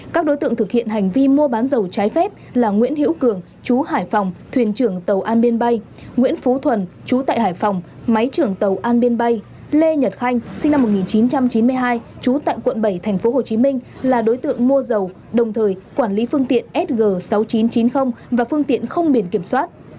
các đối tượng thực hiện hành vi mua bán dầu trái phép là nguyễn hiễu cường chú hải phòng thuyền trưởng tàu an biên bay nguyễn phú thuần chú tại hải phòng máy trưởng tàu an biên bay lê nhật khanh sinh năm một nghìn chín trăm chín mươi hai chú tại quận bảy tp hcm là đối tượng mua dầu đồng thời quản lý phương tiện sg sáu nghìn chín trăm chín mươi và phương tiện không biển kiểm soát